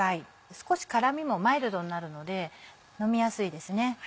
少し辛味もマイルドになるので飲みやすいですね。